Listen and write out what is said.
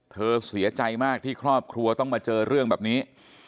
เสียใจมากที่ครอบครัวต้องมาเจอเรื่องแบบนี้